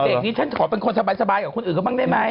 นี้ฉันขอเป็นคนสบายกับคนอื่นเขาบ้างได้ไหม